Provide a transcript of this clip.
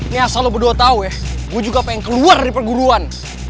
nih asal lo berdua tau ya gue juga pengen keluar dari perguruan